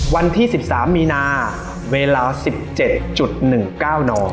วันที่๑๓มีนาเวลา๑๗๑๙น